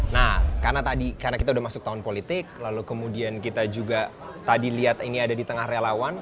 nah karena tadi karena kita sudah masuk tahun politik lalu kemudian kita juga tadi lihat ini ada di tengah relawan